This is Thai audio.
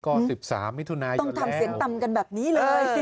ก็๑๓นี้ทุนายอดแล้วต้องทำเสียงตำกันแบบนี้เลย